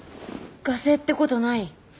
ガセってことない？